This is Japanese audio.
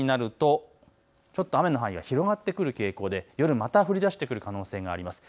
特に夜になるとちょっと雨の範囲が広がってくる傾向で夜、また降りだしてくる傾向があります。